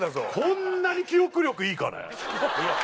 こんなに記憶力いいかね。